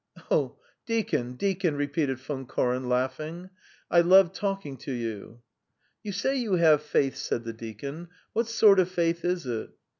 "Oh, deacon, deacon," repeated Von Koren, laughing, "I love talking to you." "You say you have faith," said the deacon. "What sort of faith is it?